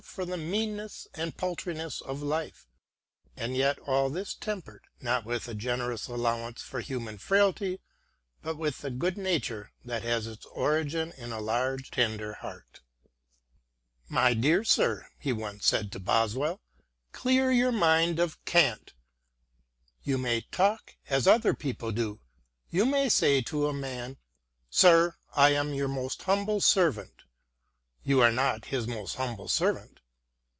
for the meannesses and 38 SAMUEL JOHNSON paltrinesses of life — ^and yet all this tempered, not with a generous allowance for human frailty, but with the good nature that has its origin in a large, tender heart. " My dear sir," he once said to Boswell, " clear your mind of cant. You may talk as other people do. You may say to a man, • Sir, I am your most humble servant.' You are not his most humble servant.